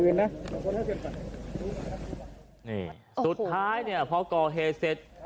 นี่สุดท้ายเนี่ยพอก่อเหตุเสร็จ